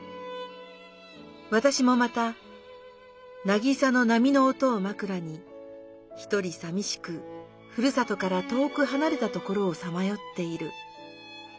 わたしもまたなぎさの波の音をまくらにひとりさみしくふるさとから遠くはなれたところをさまよっている。